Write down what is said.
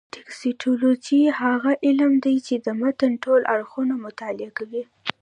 ټکسټولوجي هغه علم دﺉ، چي د متن ټول اړخونه مطالعه کوي.